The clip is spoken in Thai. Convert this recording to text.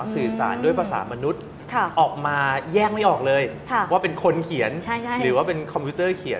สื่อสารด้วยภาษามนุษย์ออกมาแยกไม่ออกเลยว่าเป็นคนเขียนหรือว่าเป็นคอมพิวเตอร์เขียน